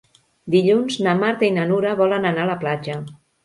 Dilluns na Marta i na Nura volen anar a la platja.